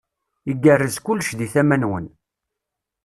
Igerrez kullec di tama-nwen.